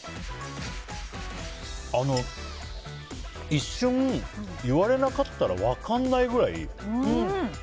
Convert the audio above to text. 一瞬、言われなかったら分かんないくらい。